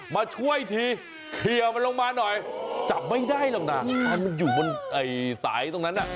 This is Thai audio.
มาช่วยทีเคลียร์มันลงมาหน่อยจับไม่ได้หรอกนะมันอยู่บนสายตรงนั้นน่ะ